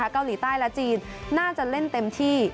เกาหลีใต้และจีนน่าจะเล่นเต็มที่